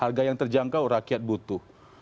harga yang terjangkau rakyat butuh